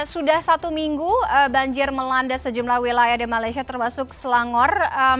sudah satu minggu banjir melanda sejumlah wilayah di malaysia termasuk selangor